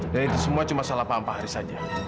dan itu semua cuma salah pak ampa haris saja